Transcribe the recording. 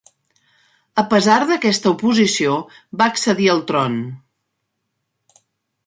A pesar d'aquesta oposició, va accedir al tron.